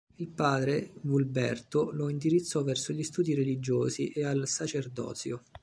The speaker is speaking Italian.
Il padre, Vulberto, lo indirizzò verso gli studi religiosi e al sacerdozio.